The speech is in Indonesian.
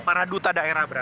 para duta daerah berarti